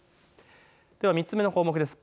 では３つ目の項目です。